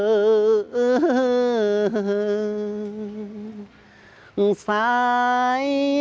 để ông cho rằng